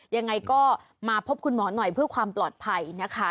ยังไงก็มาพบคุณหมอหน่อยเพื่อความปลอดภัยนะคะ